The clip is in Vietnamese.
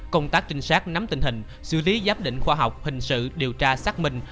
công tác trinh sát nắm tình hình xử lý giám định khoa học hình sự điều tra xác minh